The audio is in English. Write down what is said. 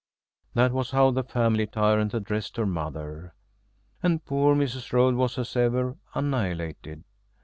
That was how the family tyrant addressed her mother, and poor Mrs. Rhodes was, as ever, annihilated.